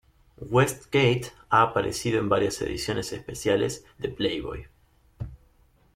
Westgate ha aparecido en varias ediciones especiales de Playboy.